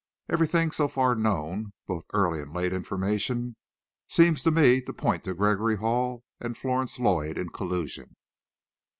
"Everything so far known, both early and late information, seems to me to point to Gregory Hall and Florence Lloyd in collusion."